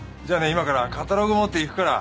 今からカタログ持って行くから。